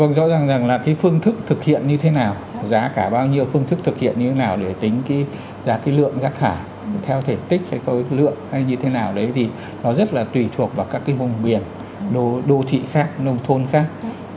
tôi rõ ràng rằng là cái phương thức thực hiện như thế nào giá cả bao nhiêu phương thức thực hiện như thế nào để tính cái giá cái lượng rác thải theo thể tích hay có lượng hay như thế nào đấy thì nó rất là tùy thuộc vào các cái vùng biển đô thị khác nông thôn khác